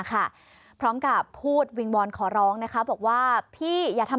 ค่ะพร้อมกับพูดวิงวอนขอร้องนะคะบอกว่าพี่อย่าทำ